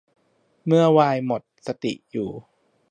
เมื่อไวน์หมดสติอยู่